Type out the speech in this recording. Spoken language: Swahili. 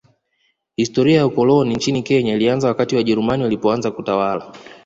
Historia ya ukoloni nchini Kenya ilianza wakati Wajerumani walipoanza kutawala